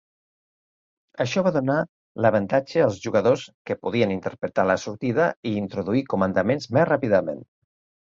Això va donar l'avantatge als jugadors que podien interpretar la sortida i introduir comandaments més ràpidament.